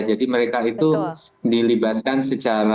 jadi mereka itu dilibatkan secara